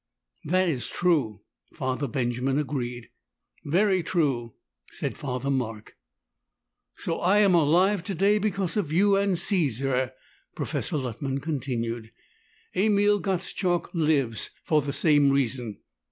"That is true," Father Benjamin agreed. "Very true," said Father Mark. "So I am alive today because of you and Caesar," Professor Luttman continued. "Emil Gottschalk lives for the same reason.